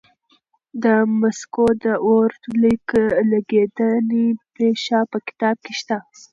د مسکو د اور لګېدنې پېښه په کتاب کې شته.